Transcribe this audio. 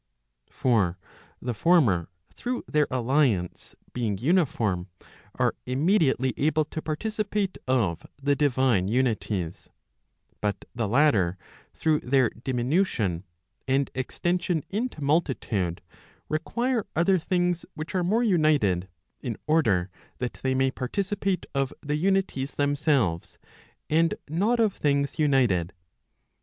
For the former through their alliance being uniform, are immediately able to participate of the divine unities; but the latter through their di¬ minution, and extension into multitude, require other things which are more united, in order that they may participate of the unities themselves, and not of things united.